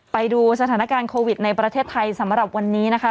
ไปดูสถานการณ์โควิดในประเทศไทยสำหรับวันนี้นะคะ